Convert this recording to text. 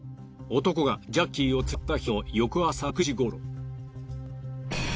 男がジャッキーを連れ去った日の翌朝６時ごろ。